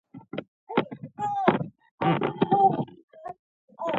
چې له خپلو غلطیو څخه زده کړه وکړه